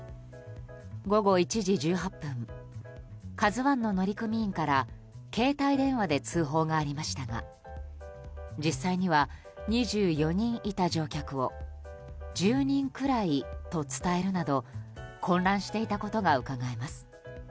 午後１時１８分「ＫＡＺＵ１」の乗組員から携帯電話で通報がありましたが実際には２４人いた乗客を１０人くらいと伝えるなど混乱していたことがうかがえます。